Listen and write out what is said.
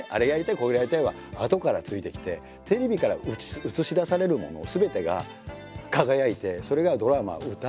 「これがやりたい」はあとからついてきてテレビから映し出されるものすべてが輝いてそれがドラマ歌